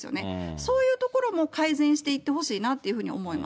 そういうところも改善していってほしいなと思います。